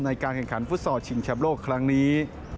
ในการแข่งขันฟุตซอลชิงแชมป์โลกครั้งนี้